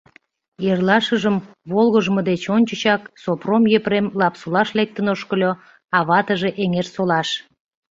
Эрлашыжым волгыжмо деч ончычак Сопром Епрем Лапсолаш лектын ошкыльо, а ватыже — Эҥерсолаш.